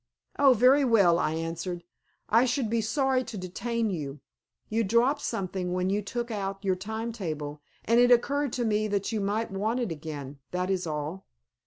"Oh, very well," I answered. "I should be sorry to detain you. You dropped something when you took out your time table, and it occurred to me that you might want it again. That is all."